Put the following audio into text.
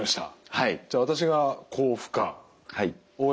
はい。